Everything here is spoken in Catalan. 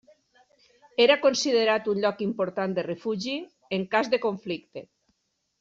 Era considerat un lloc important de refugi en cas de conflicte.